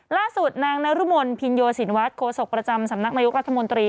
ล่าสุดนางนรมนภินโยสินวัฒนโคศกประจำสำนักนายกรัฐมนตรี